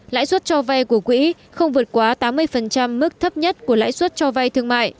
lãi suất cho vay của quỹ không vượt quá tám mươi mức thấp nhất của lãi suất cho vay thương mại